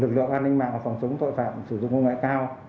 lực lượng an ninh mạng và phòng chống tội phạm sử dụng công nghệ cao